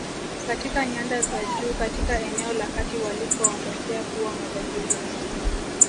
Katika nyanda za juu katika eneo la kati walikoondokea kuwa matajiri